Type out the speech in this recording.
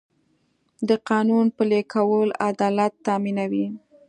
د قانون پلي کول عدالت تامینوي.